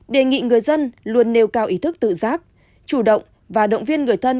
đề nghị người dân luôn nêu cao ý thức tự giác chủ động và động viên người thân